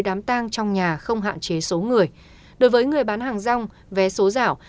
đám tang trong nhà không hạn chế số người đối với người bán hàng rong vé số giả